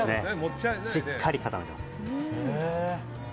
しっかり固めてます。